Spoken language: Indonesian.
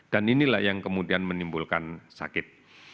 dan inilah yang kemudian menimbulkan sakit